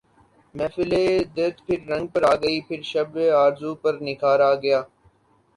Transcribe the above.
محفل درد پھر رنگ پر آ گئی پھر شب آرزو پر نکھار آ گیا